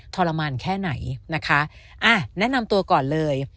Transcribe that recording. ทรมานแค่ไหนนะคะอ่ะแนะนำตัวก่อนเลย